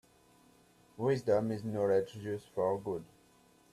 Wisdom is knowledge used for good.